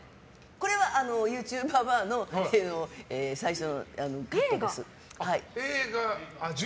これは「ＹｏｕＴｕＢＢＡ！！」の最初のカットです。